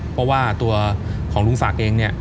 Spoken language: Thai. เพราะว่าตัวของลุงศักดิ์เองเนี่ย